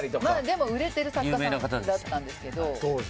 でも売れてる作家さんだったんですけど。